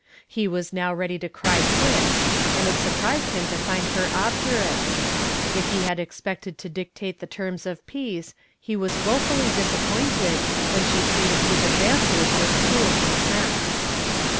He was now ready to cry quits and it surprised him to find her obdurate. If he had expected to dictate the terms of peace he was woefully disappointed when she treated his advances with cool contempt.